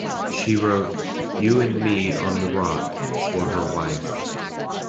She wrote "You and Me on the Rock" for her wife.